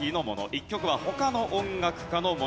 １曲は他の音楽家のものです。